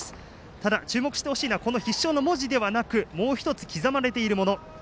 ただ注目してほしいのはこの必勝の文字ではなくもう１つ刻まれているもの。